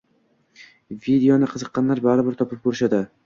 Videoni qiziqqanlar baribir topib koʻrishadi